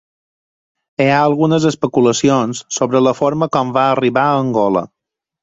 Hi ha algunes especulacions sobre la forma com va arribar a Angola.